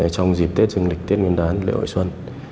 trong dịp tết dương lịch tết nguyên đán lễ hội xuân